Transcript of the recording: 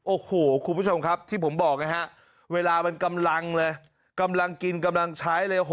โอ้โหคุณผู้ชมครับที่ผมบอกนะฮะเวลามันกำลังเลยกำลังกินกำลังใช้เลย